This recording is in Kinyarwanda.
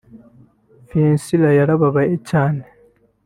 Fiacre yarababaye cyane